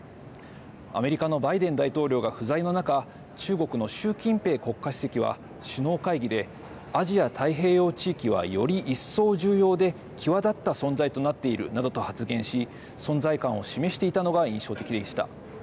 アメリカのバイデン大統領が不在の中中国の習近平国家主席は首脳会議でアジア太平洋地域は、より一層重要で際立った存在となっているなどと発言し存在感を示していたのが印象的でした。